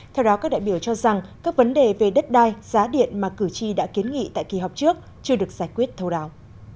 theo đó các đại biểu cho rằng các vấn đề về đất đai giá điện mà cử tri đã kiến nghị tại kỳ họp trước chưa được giải quyết thâu đáo